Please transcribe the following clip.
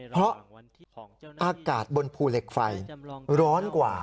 เพราะอากาศบนภูเหล็กไฟร้อนกว่า